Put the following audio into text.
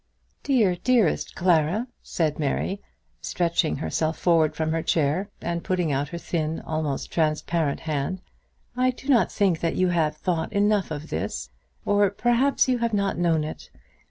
"Dear, dearest Clara," said Mary Belton, stretching herself forward from her chair, and putting out her thin, almost transparent, hand, "I do not think that you have thought enough of this; or, perhaps, you have not known it.